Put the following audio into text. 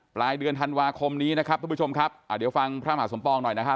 ปลายเดือนธันวาคมนี้นะครับทุกผู้ชมครับอ่าเดี๋ยวฟังพระมหาสมปองหน่อยนะฮะ